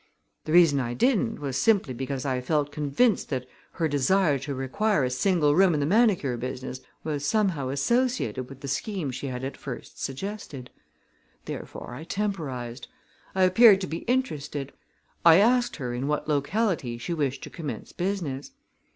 The reason I didn't was simply because I felt convinced that her desire to require a single room in the manicure business was somehow associated with the scheme she had at first suggested. Therefore I temporized. I appeared to be interested. I asked her in what locality she wished to commence business.